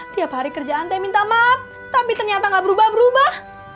tiap hari kerjaan saya minta maaf tapi ternyata gak berubah berubah